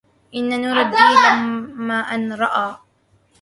إن نور الدين لما أن رأى